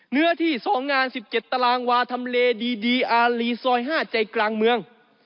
เนื้อที่๒งาน๑๗ตารางวาทำเลดีอารีซอย๕ใจกลางเมือง